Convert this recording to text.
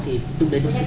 thì lúc đấy đối chiến